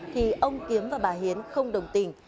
thì ông kiếm và bà hiến không đồng tình